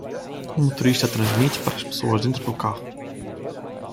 O motorista transmite para as pessoas dentro do carro